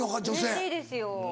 うれしいですよ。